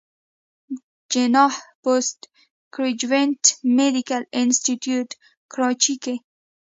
جناح پوسټ ګريجويټ ميډيکل انسټيتيوټ کراچۍ کښې